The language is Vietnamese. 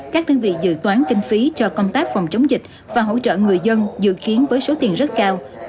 các đơn vị dự toán kinh phí cho công tác phòng chống dịch và hỗ trợ người dân dự kiến với số tiền rất cao